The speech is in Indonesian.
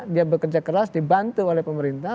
dia bekerja keras dibantu oleh pemerintah